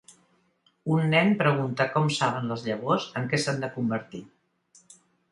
Un nen pregunta com saben les llavors en què s'han de convertir.